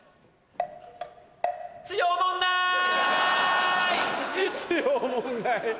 「強おもんない」。